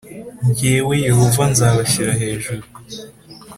Jyewe Yehova nzabashyira hejuru